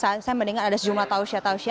saat ini saya mendengar ada sejumlah tausya tausya